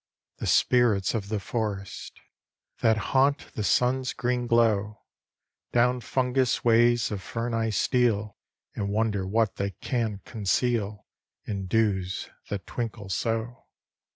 The spirits of the forest. That haunt the sun's green glow Down fungus ways of fern I steal And wonder what they can conceal, In dews, that twinkles so.